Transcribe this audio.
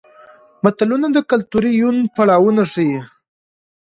متلونه د کولتوري یون پړاوونه ښيي